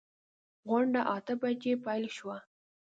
غونډه اته بجې پیل شوه.